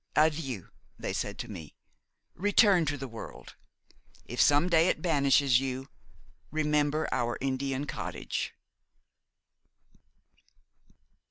"Adieu," they said to me; "return to the world; if some day it banishes you, remember our Indian cottage."